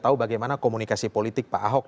tahu bagaimana komunikasi politik pak ahok